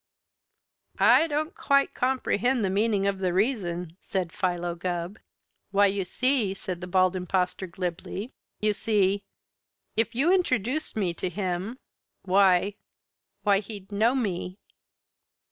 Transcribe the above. "I don't quite comprehend the meaning of the reason," said Philo Gubb. "Why, you see," said the Bald Impostor glibly, "you see if you introduced me to him why why, he'd know me."